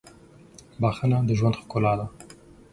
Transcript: • بښنه د ژوند ښکلا ده.